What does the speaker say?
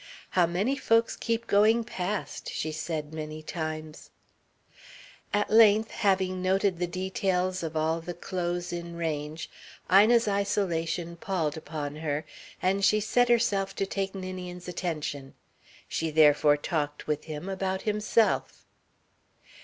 "How many folks keep going past," she said, many times. At length, having noted the details of all the clothes in range, Ina's isolation palled upon her and she set herself to take Ninian's attention. She therefore talked with him about himself.